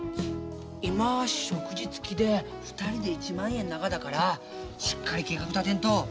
今食事付きで２人で１万円ながだからしっかり計画立てんと。